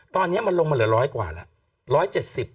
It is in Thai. ตอนนี้มันลงมาเหลือร้อยกว่าแล้ว